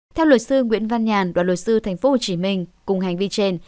theo luật sư nguyễn văn nhàn đoàn luật sư tp hcm cùng hành vi trên